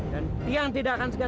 dan tiang tidak akan segera menembakmu